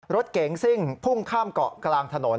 รถเก๋งซิ่งพุ่งข้ามเกาะกลางถนน